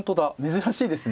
珍しいですね。